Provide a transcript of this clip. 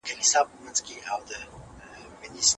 د ژوند ارزښت د عمل له لارې څرګندیږي.